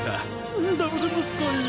ダブルモスコイ。